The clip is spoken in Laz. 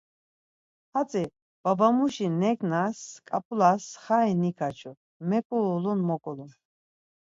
Hatzi babamuşi neǩnaş ǩap̌ulas xai nikaçu, meǩulun moǩulun.